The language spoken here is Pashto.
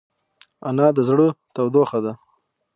انا د زړه تودوخه ده